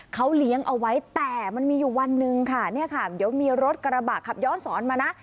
เขาเลี้ยงเอาไว้แต่มันมีอยู่วันหนึ่งค่ะเนี่ยค่ะเดี๋ยวมีรถกระบะขับย้อนสอนมานะ